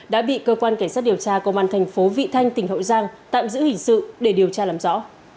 đã bị cơ quan cảnh sát điều tra công an thành phố vị thanh tỉnh hậu giang tạm giữ hình sự để điều tra làm rõ